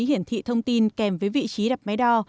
hiển thị thông tin kèm với vị trí đập máy đo